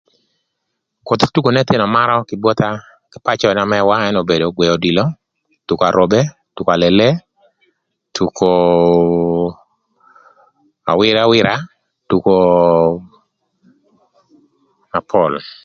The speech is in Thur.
Kothi tuko n'ëthïnö marö kï botha kï pacö na mëwa obedo gwëö odilo, tuko arobe, tuko alele, tuko awïrawïra, tuko na pol.